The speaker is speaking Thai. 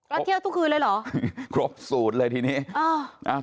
แล้วเที่ยวทุกคืนเลยเหรอ